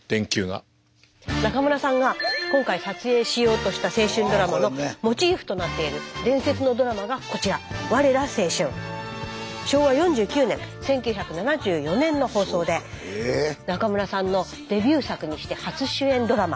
中村さんが今回撮影しようとした青春ドラマのモチーフとなっている伝説のドラマがこちら昭和４９年１９７４年の放送で中村さんのデビュー作にして初主演ドラマ。